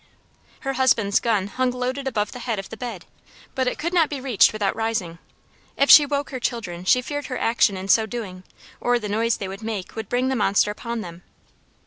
Her husband's gun hung loaded above the head of the bed, but it could not be reached without rising; if she woke her children she feared her action in so doing or the noise they would make would bring the monster upon them.